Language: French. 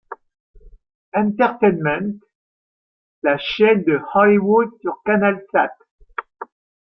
Entertainment, la chaîne de Hollywood sur Canalsat.